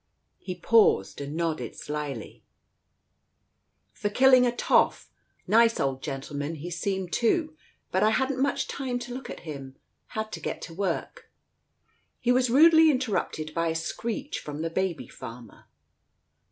" He paused and nodded slyly. "For killing a toff. Digitized by Google HO TALES OF THE UNEASY Nice old gentleman he seemed, too, but I hadn't much time to look at him. Had to get to work " He was rudely interrupted by a screech from the baby farmer.